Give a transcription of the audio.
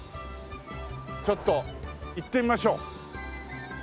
ちょっと行ってみましょう。